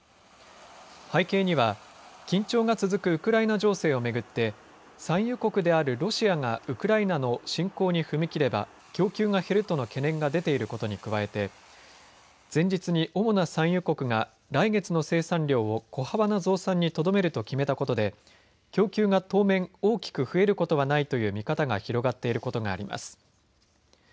背景には緊張が続くウクライナ情勢を巡って産油国であるロシアがウクライナの侵攻に踏み切れば供給が減るとの懸念が出ていることに加えて前日に主な産油国が来月の生産量を小幅な増産にとどめると決めたことで供給が当面、大きく増えることはないという見方が広がっていることがあります。